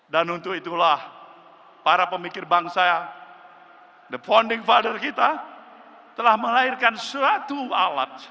dan untuk itulah para pemikir bangsa the founding father kita telah melahirkan suatu alat